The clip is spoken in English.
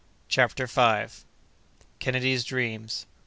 CHAPTER FIFTH. Kennedy's Dreams.